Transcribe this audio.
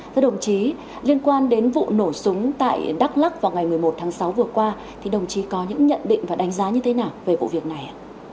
các đồng chí liên quan đến vụ nổ súng tại đắk lắc vào ngày một mươi một tháng sáu vừa qua thì đồng chí có những nhận định và đánh giá như thế nào về vụ việc này ạ